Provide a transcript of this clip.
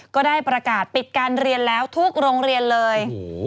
ก็ได้ประกาศปิดการเรียนแล้วทุกโรงเรียนเลย